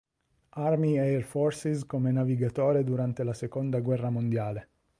Army Air Forces come navigatore durante la Seconda guerra mondiale.